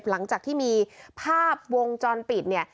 หลังจากที่มีภาพวงจรปิด